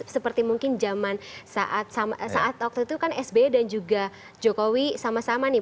seperti mungkin zaman saat waktu itu kan sby dan juga jokowi sama sama nih